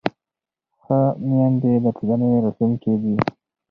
ښه میندې د ټولنې راتلونکی دي.